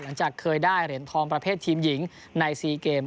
หลังจากเคยได้เหรียญทองประเภททีมหญิงใน๔เกม